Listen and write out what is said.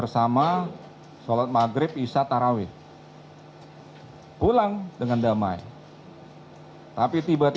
saya akan mencoba